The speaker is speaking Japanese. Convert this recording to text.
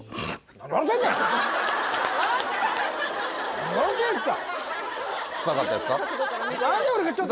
何笑うてんすか！